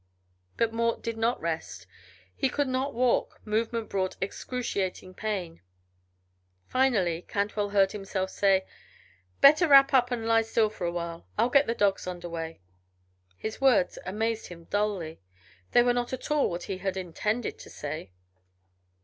But Mort did not rest. He could not walk; movement brought excruciating pain. Finally Cantwell heard himself saying: "Better wrap up and lie still for a while. I'll get the dogs underway." His words amazed him dully. They were not at all what he had intended to say.